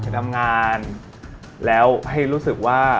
ทำงานแล้วให้รู้สึกว่า